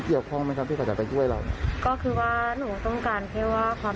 เพราะว่าแฟนหนูก็เป็นพ่อรักของบ้านค่ะ